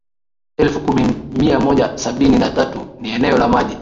elfu kumi mia moja sabini na tatu ni eneo la maji